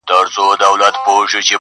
پر کهاله باندي یې زېری د اجل سي!.